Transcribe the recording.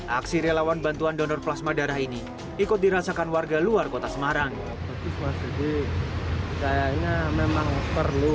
aksi relawan bantuan donor plasma darah ini ikut dirasakan warga luar kota semarang